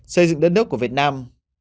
xây dựng đất nước của việt nam